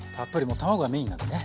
卵がメインなんでね。